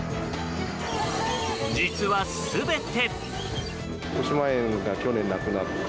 実は、全て。